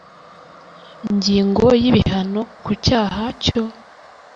Ingingo ya Ibihano ku cyaha cyo